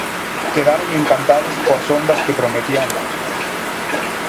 Quedaron encantados coas ondas que prometía a mañá.